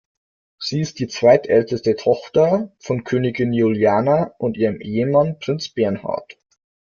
Sie ist die zweitälteste Tochter von Königin Juliana und ihrem Ehemann Prinz Bernhard.